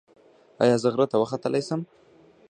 ایا زه غره ته وختلی شم؟